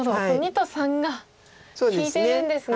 ②と③が利いてるんですね。